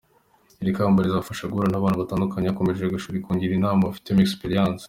Iri kamba rizamfasha guhura n’abantu batandukanye bakomeye bashobora kungira inama babifitemo experience.